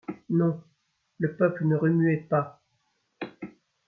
Non, le peuple ne remuait pas !